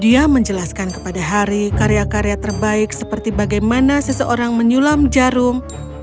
dia menjelaskan kepada hari karya karya terbaik seperti bagaimana seseorang menyulam jarum